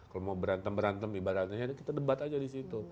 kalau mau berantem berantem ibaratnya kita debat aja disitu